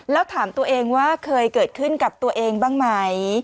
แล้วถามตัวเองว่าเคยเกิดขึ้นกับตัวเองบ้างไหม